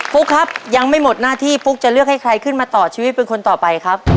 ฟุ๊กครับยังไม่หมดหน้าที่ฟุ๊กจะเลือกให้ใครขึ้นมาต่อชีวิตเป็นคนต่อไปครับ